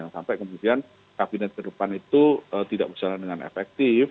sampai kemudian kabinet ke depan itu tidak berjalan dengan efektif